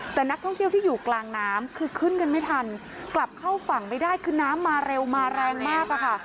แต่นักท่องเที่ยวที่อยู่กลางน้ำคือขึ้นกันไม่ทันกลับเข้าฝั่งไม่ได้คือน้ำมาเร็วมาแรงมากอะค่ะ